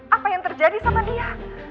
apa yang terjadi sama dia